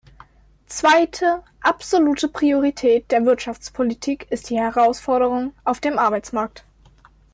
Zweite absolute Priorität der Wirtschaftspolitik ist die Herausforderung auf dem Arbeitsmarkt.